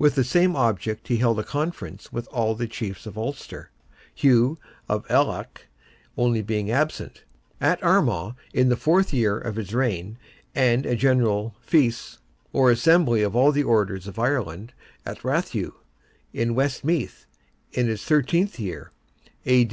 With the same object he held a conference with all the chiefs of Ulster, Hugh of Aileach only being absent, at Armagh, in the fourth year of his reign, and a General Feis, or Assembly of all the Orders of Ireland, at Rathugh, in West Meath, in his thirteenth year (A.